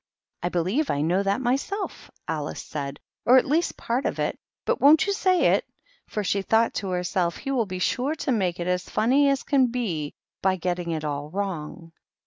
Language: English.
"I believe I know that myself," Alice said; " or at least part of it. But won't you say it ?" For she thought to herself, " He will be sure to make it as funny as can be by getting it all wrong."